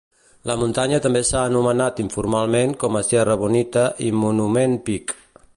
La muntanya també s'ha anomenat informalment com a Sierra Bonita i Monument Peak.